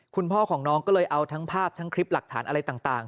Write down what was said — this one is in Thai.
คุณพ่อของน้องก็เลยเอาทั้งภาพทั้งคลิปหลักฐานอะไรต่าง